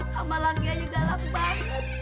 sama laki aja gak lambat